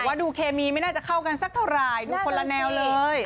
ว่าดูเคมีไม่น่าจะเข้ากันสักเท่าไหร่ดูคนละแนวเลย